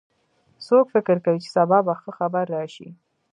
څوک فکر کوي چې سبا به ښه خبر راشي